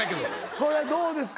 これどうですか？